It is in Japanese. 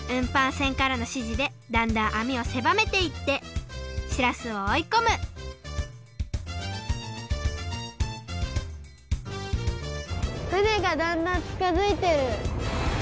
船からのしじでだんだんあみをせばめていってしらすをおいこむ船がだんだんちかづいてる。